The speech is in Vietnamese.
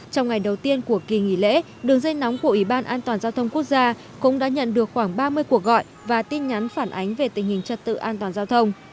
trong ngày đầu tiên của kỳ nghỉ lễ đường dây nóng của ủy ban an toàn giao thông quốc gia cũng đã nhận được khoảng ba mươi cuộc gọi và tin nhắn